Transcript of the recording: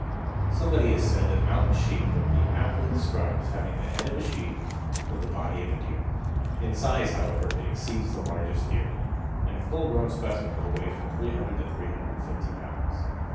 Somebody has said that Mountain Sheep would be aptly described as having the head of a sheep with the body of a deer. In size, however, it exceeds the largest deer, and a full grown specimen will weigh from 300 to 350 pounds.